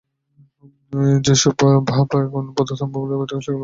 যে-সব ভাব এখন বৌদ্ধধর্ম বলিয়া অভিহিত, সেগুলি তাঁহার নিজের নয়।